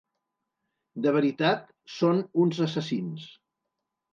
De veritat, són uns assassins.